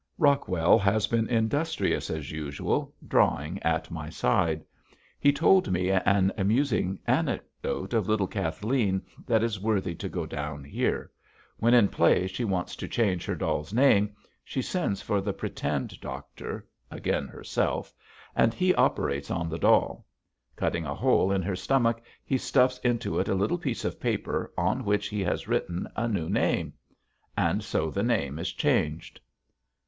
Rockwell has been industrious as usual, drawing at my side. He told me an amusing anecdote of little Kathleen that is worthy to go down here. When in play she wants to change her doll's name she sends for the pretend doctor, again herself, and he operates on the doll. Cutting a hole in her stomach he stuffs into it a little piece of paper on which he has written the new name. And so the name is changed.